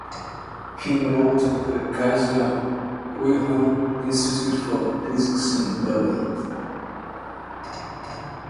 He enrolled at the Kaiser Wilhelm Institute for Physics in Berlin.